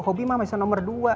hobi mah misalnya nomor dua